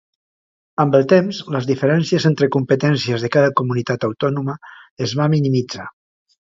Amb el temps, les diferències entre competències de cada comunitat autònoma es va minimitzar.